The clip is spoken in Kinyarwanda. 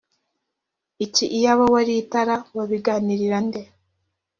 iki iyaba wari tara wabiganirira nde